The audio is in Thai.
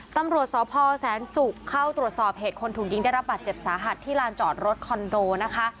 ตำรวจสพแสนศุกร์เข้าตรวจสอบเหตุคนถูกยิงได้รับบาดเจ็บสาหัสที่ลานจอดรถคอนโดนะคะ